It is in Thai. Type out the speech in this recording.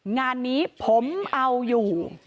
งานนี้ผมเอาอยู่